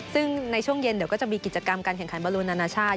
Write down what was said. ซึ่งในช่วงเย็นเดี๋ยวก็จะมีกิจกรรมการแข่งขันบรูนานาชาติ